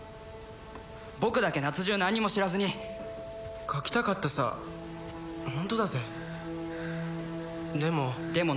僕だけ夏じゅう何も知らずに書きたかったさホントだぜでもでも何？